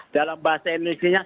dalam bahasa indonesia nya